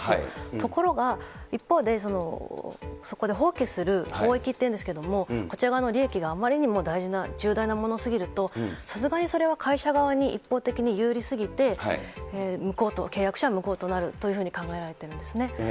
ところが、一方でそこで放棄する、っていうんですけれども、こちら側の利益があまりにも大事な、重大なものすぎると、さすがにそれは会社側に一方的に有利すぎて、無効と、契約書は無効となるというふうに考えられているんですね。